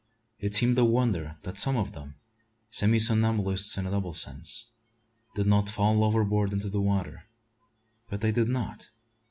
It seemed a wonder that some of them semi somnambulists in a double sense did not fall overboard into the water. But they did not.